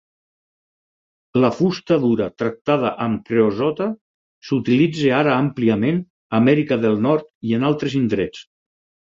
La fusta dura tractada amb creosota s'utilitza ara àmpliament a Amèrica del Nord i en altres indrets.